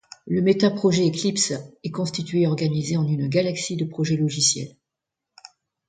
Le métaprojet Eclipse est constitué et organisé en une galaxie de projets logiciels.